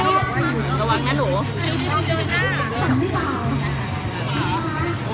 ระวังนะหนู